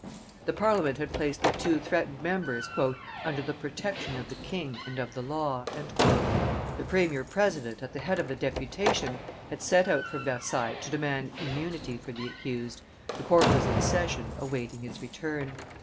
The Parliament had placed the two threatened members "under the protection of the king and of the law;" the premier president, at the head of a deputation, had set out for Versailles to demand immunity for the accused; the court was in session awaiting his return.